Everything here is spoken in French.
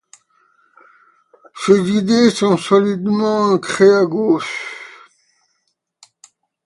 Ses idées sont solidement ancrées à gauche.